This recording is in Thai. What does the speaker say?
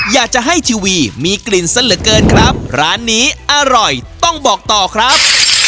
อยากจะให้ทีวีมีกลิ่นซะเหลือเกินครับร้านนี้อร่อยต้องบอกต่อครับ